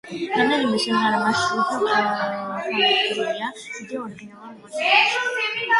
რამდენიმე სიმღერა მასში უფრო ხანგრძლივია, ვიდრე ორიგინალურ გამოცემაში.